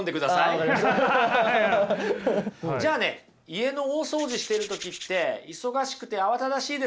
じゃあね家の大掃除してる時って忙しくて慌ただしいですよね。